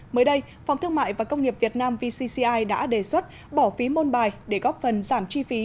mới đây phòng thương mại và công nghiệp việt nam vcci đã đề xuất bỏ phí môn bài để góp phần giảm chi phí